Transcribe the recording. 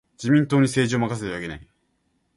自民党に政治を任せてはいけない。